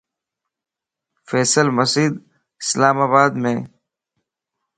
فيصل مسيڌ اسلام آبادمَ